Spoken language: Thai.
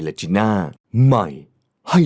แบบนี้ก็ได้